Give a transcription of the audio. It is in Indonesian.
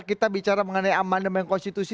kita bicara mengenai amandemen konstitusi